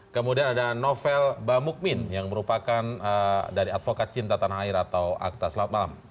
kemudian ada novel bamukmin yang merupakan dari advokat cinta tanah air atau akta selamat malam